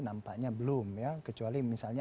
nampaknya belum ya kecuali misalnya